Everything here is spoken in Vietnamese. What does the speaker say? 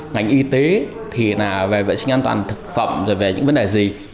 ngành y tế thì là về vệ sinh an toàn thực phẩm rồi về những vấn đề gì